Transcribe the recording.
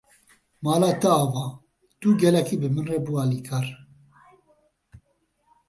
Mala te ava, tu gelekî bi min re bû alîkar.